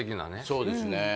そうですね